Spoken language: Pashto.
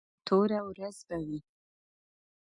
توره ورځ به وي.